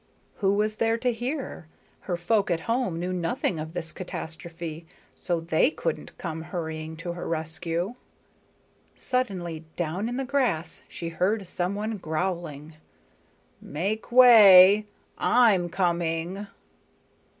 Who was there to hear? Her folk at home knew nothing of this catastrophe, so they couldn't come hurrying to her rescue. Suddenly down, in the grass, she heard some one growling: "Make way! I'm coming."